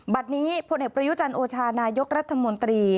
บันนี้พลเอกประยุจรรโชฌานายกรัฐมนตรี